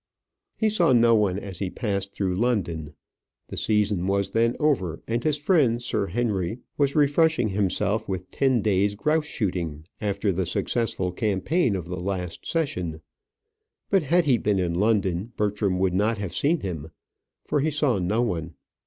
He saw no one as he passed through London. The season was then over, and his friend Sir Henry was refreshing himself with ten days' grouse shooting after the successful campaign of the last session. But had he been in London, Bertram would not have seen him, for he saw no one.